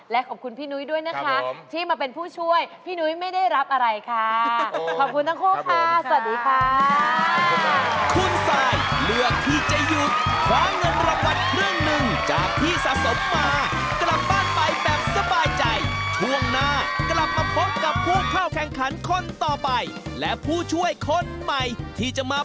และขอบคุณพี่นุ้ยด้วยนะคะที่มาเป็นผู้ช่วยพี่นุ้ยไม่ได้รับอะไรค่ะขอบคุณทั้งคู่ค่ะสวัสดีค่ะ